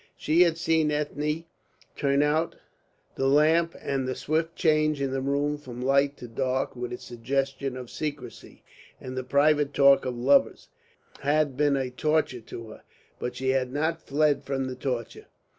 She had seen Ethne turn out the lamp, and the swift change in the room from light to dark, with its suggestion of secrecy and the private talk of lovers, had been a torture to her. But she had not fled from the torture.